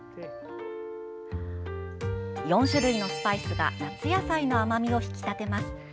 ４種類のスパイスが夏野菜の甘みを引き立てます。